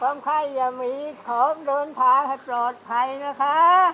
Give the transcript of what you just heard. ไข้อย่ามีของโดนพาให้ปลอดภัยนะคะ